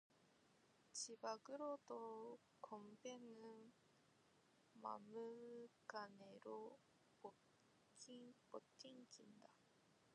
잡아 끌어도 건배는 막무가내로 뻗딩긴다.